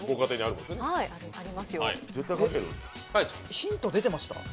ヒント出てました？